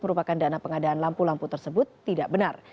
merupakan dana pengadaan lampu lampu tersebut tidak benar